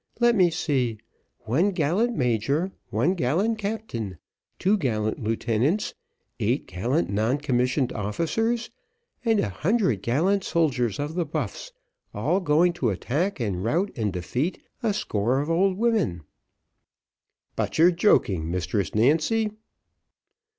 Let me see: one gallant major, one gallant captain, two gallant lieutenants, eight gallant non commissioned officers, and a hundred gallant soldiers of the Buffs, all going to attack, and rout, and defeat a score of old women." "But you're joking, Mistress Nancy."